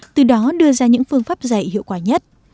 từ đó đưa ra những phương pháp dạy hiệu quả nhất